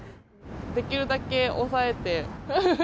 できるだけ抑えて。